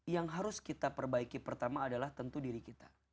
yang harus kita perbaiki pertama adalah tentu diri kita